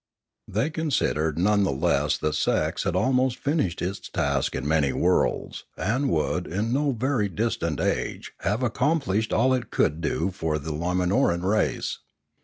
They considered none the less that sex had almost finished its task in many worlds, and would, in no very distant age, have accomplished all it could do for the Limanoran race.